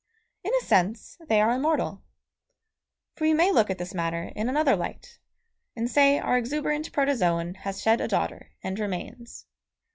In a sense they are immortal. For we may look at this matter in another light, and say our exuberant protozoon has shed a daughter, and remains.